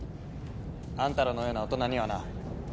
あんたらのような大人にはな。